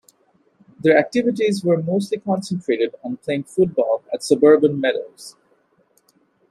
Their activities were mostly concentrated on playing football at suburban meadows.